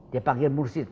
dia panggil mursid